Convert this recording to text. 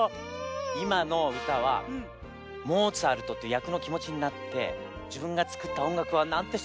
いまのうたはモーツァルトっていうやくのきもちになってじぶんがつくったおんがくはなんてすてきなんだろう。